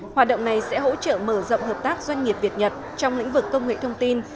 hoạt động này sẽ hỗ trợ mở rộng hợp tác doanh nghiệp việt nhật trong lĩnh vực công nghệ thông tin